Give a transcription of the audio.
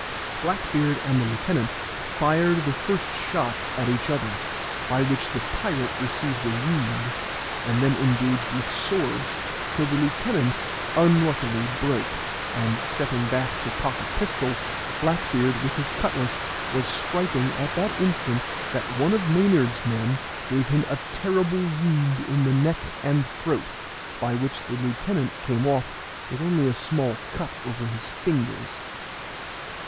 Black beard and the lieutenant fired the first shots at each other, by which the pirate received a wound, and then engaged with swords, till the lieutenant's unluckily broke, and stepping back to cock a pistol, Black beard, with his cutlass, was striking at that instant that one of Maynard's men gave him a terrible wound in the neck and throat, by which the lieutenant came off with only a small cut over his fingers.